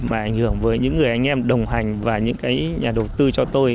mà ảnh hưởng với những người anh em đồng hành và những cái nhà đầu tư cho tôi